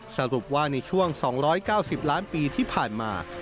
สรุปว่าในช่วง๒๙๐ล้านปีที่ผ่านมา